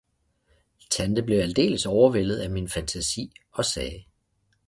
Tante blev aldeles overvældet af min fantasi, og sagde.